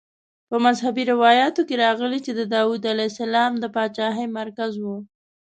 په مذهبي روایاتو کې راغلي چې د داود علیه السلام د پاچاهۍ مرکز وه.